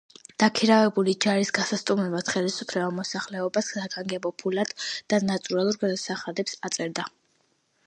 დაქირავებული ჯარის გასასტუმრებლად ხელისუფლება მოსახლეობას საგანგებო ფულად და ნატურალურ გადასახადებს აწერდა.